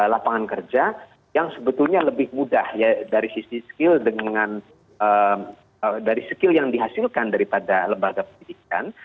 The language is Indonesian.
lapangan kerja yang sebetulnya lebih mudah dari sisi skill dengan dari skill yang dihasilkan daripada lembaga pendidikan